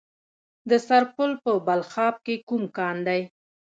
د سرپل په بلخاب کې کوم کان دی؟